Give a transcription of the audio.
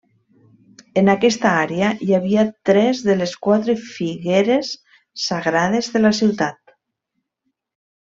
En aquesta àrea hi havia tres de les quatre figueres sagrades de la ciutat.